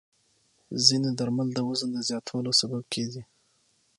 ځینې درمل د وزن د زیاتوالي سبب کېږي.